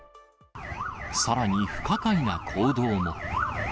さらに不可解な行動も。